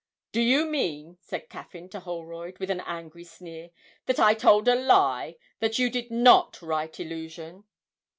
'Do you mean,' said Caffyn to Holroyd, with an angry sneer, 'that I told a lie that you did not write "Illusion"?'